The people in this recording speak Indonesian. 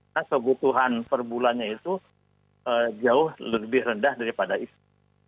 nah kebutuhan per bulannya itu jauh lebih rendah daripada itu